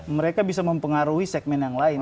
mereka bisa mempengaruhi segmen yang lain